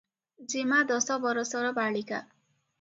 ଯେମା ଦଶ ବରଷର ବାଳିକା ।